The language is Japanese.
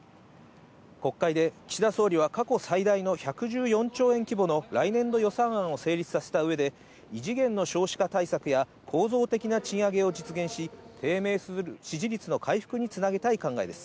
国会で岸田総理は過去最大の１１４兆円規模の来年度予算案を成立させた上で異次元の少子化対策や構造的な賃上げを実現し、低迷する支持率の回復につなげたい考えです。